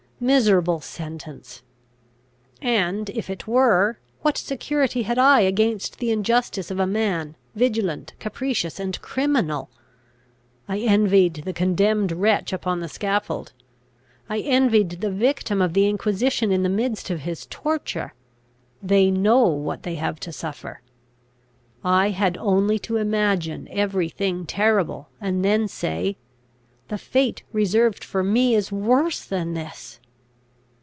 Miserable sentence! And, if it were, what security had I against the injustice of a man, vigilant, capricious, and criminal? I envied the condemned wretch upon the scaffold; I envied the victim of the inquisition in the midst of his torture. They know what they have to suffer. I had only to imagine every thing terrible, and then say, "The fate reserved for me is worse than this!"